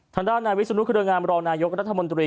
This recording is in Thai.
ทางด้านนายวิศนุเครืองามรองนายกรัฐมนตรี